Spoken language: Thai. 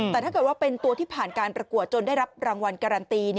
แต่ถ้าเกิดว่าเป็นตัวที่ผ่านการประกวดจนได้รับรางวัลการันตี